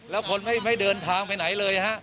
แล้วคนไม่เดินทางไปไหนเลยฮะ